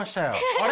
あれ？